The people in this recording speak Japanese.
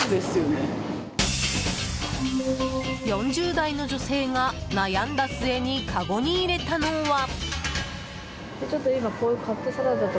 ４０代の女性が悩んだ末にかごにいれたのは。